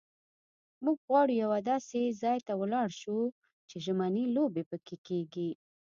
موږ غواړو یوه داسې ځای ته ولاړ شو چې ژمنۍ لوبې پکښې کېږي.